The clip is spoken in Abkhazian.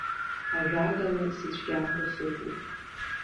Ажәакала, сыцәгьамкәа сыҟоуп.